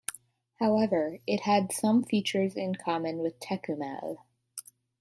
However it had some features in common with Tekumel.